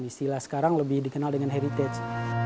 istilah sekarang lebih dikenal dengan heritage